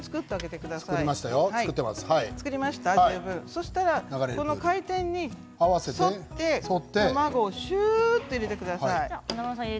そうしたらこの回転に沿って卵をシュッと入れてください。